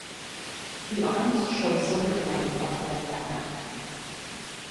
The arms show a silver dragon on a red background.